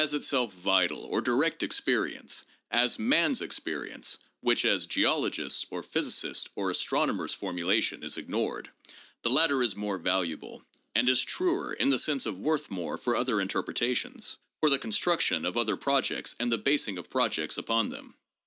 As itself vital or direct experience, as man's experience (which as geologist's or physicist's or astronomer's formulation is ignored), the latter is more valuable; and is truer in the sense of worth more for other interpretations, for the construction of other objects and the basing of projects upon them.